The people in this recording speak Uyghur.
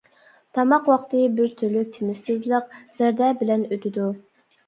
تاماق ۋاقتى بىر تۈرلۈك تىنچسىزلىق، زەردە بىلەن ئۆتىدۇ.